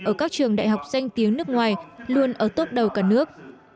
ở các trường đại học danh tiếng nước ngoài luôn ở tốt đầu cả nước